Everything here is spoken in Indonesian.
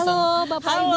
halo bapak ibu